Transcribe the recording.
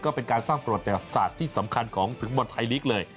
ก็เป็นการสร้างประวัติศาสตร์ที่สำคัญของศึกบอลไทยลีกเลย